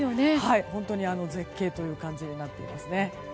本当に絶景という感じになっていますね。